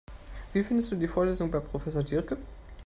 Wie findest du die Vorlesungen bei Professor Diercke?